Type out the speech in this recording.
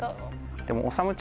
でも。